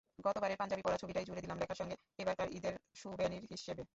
গতবারের পাঞ্জাবি পরা ছবিটাই জুড়ে দিলাম লেখার সঙ্গে এবারকার ঈদের স্যুভেনির হিসেবে।